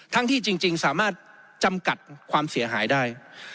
ที่จริงสามารถจำกัดความเสียหายได้